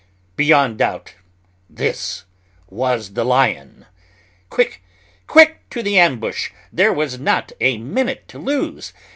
Beyond doubt this was the lion. Quick, quick! to the ambush. There was not a minute to lose.